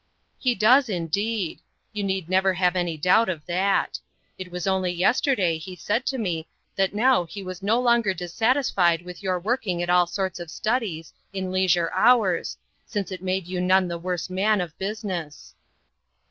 "He does, indeed. You need never have any doubt of that. It was only yesterday he said to me that now he was no longer dissatisfied with your working at all sorts of studies, in leisure hours, since it made you none the worse man of business."